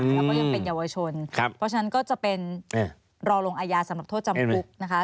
แล้วก็ยังเป็นเยาวชนเพราะฉะนั้นก็จะเป็นรอลงอายาสำหรับโทษจำคุกนะคะ